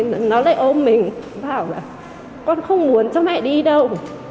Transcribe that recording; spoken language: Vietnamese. nó lại ôm mình bảo là con không muốn cho mẹ đi đâu